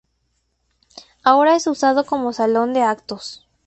Ahora es usado como salón de actos